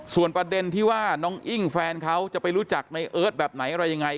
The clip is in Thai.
ส่วนประเด็นที่ว่าน้องอิ้งแฟนเขาจะไปรู้จักในเอิร์ทแบบไหนอะไรยังไง